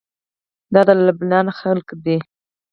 دا د لبنان خلق دي.